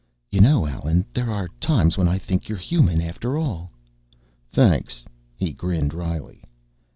"You know, Allen, there are times when I think you're human after all." "Thanks," he grinned wryly.